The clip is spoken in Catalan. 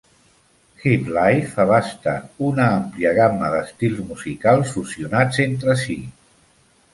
Hiplife abasta una àmplia gamma d'estils musicals fusionats entre si.